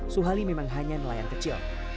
suhali memang hanya nelayan kecil